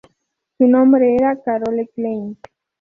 Su nombre era Carole Klein.